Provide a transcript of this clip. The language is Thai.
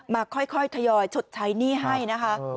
มาค่อยทยอยชดใช้หนี้ให้นะคะ